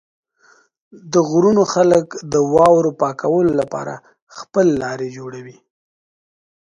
د غرونو خلک د واورو پاکولو لپاره خپل لارې جوړوي.